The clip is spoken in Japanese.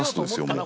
もう。